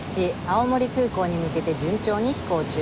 青森空港に向けて順調に飛行中。